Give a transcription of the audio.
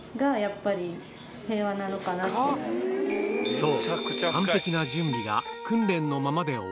そう！